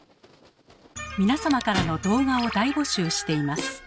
皆様からの動画を大募集しています。